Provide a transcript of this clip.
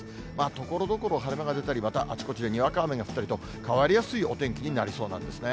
ところどころ晴れ間が出たり、またあちこちでにわか雨が降ったりと、変わりやすいお天気になりそうなんですね。